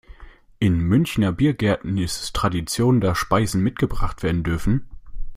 In Münchner Biergärten ist es Tradition, dass Speisen mitgebracht werden dürfen.